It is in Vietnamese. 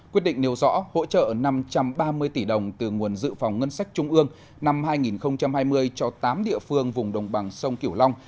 quyết định nêu rõ hỗ trợ năm trăm ba mươi tỷ đồng từ nguồn dự phòng ngân sách trung ương năm hai nghìn hai mươi cho tám địa phương vùng đồng bằng sông kiểu long